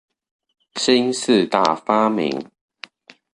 新四大發明